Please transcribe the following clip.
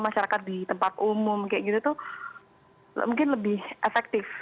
masyarakat di tempat umum kayak gitu tuh mungkin lebih efektif